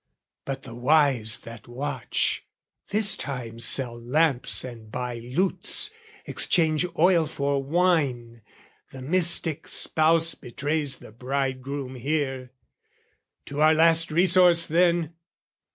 But the wise that watch, this time Sell lamps and buy lutes, exchange oil for wine, The mystic Spouse betrays the Bridegroom here. To our last resource, then!